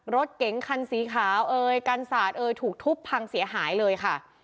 รถเก๋งคันสีขาวเอ่ยกันศาสตร์เอยถูกทุบพังเสียหายเลยค่ะ